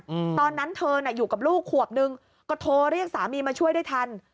อืมตอนนั้นเธอน่ะอยู่กับลูกขวบนึงก็โทรเรียกสามีมาช่วยได้ทัน